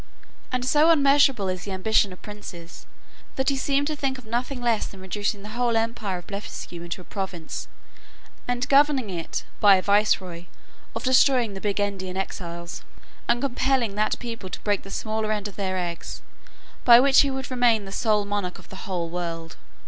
And so unmeasureable is the ambition of princes, that he seemed to think of nothing less than reducing the whole empire of Blefuscu into a province, and governing it, by a viceroy; of destroying the Big endian exiles, and compelling that people to break the smaller end of their eggs, by which he would remain the sole monarch of the whole world.